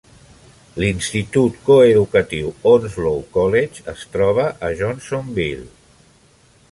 L'institut coeducatiu Onslow College es troba a Johnsonville